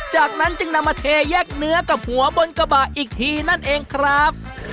จากนั้นจึงนำมาเทแยกเนื้อกับหัวบนกระบะอีกทีนั่นเองครับ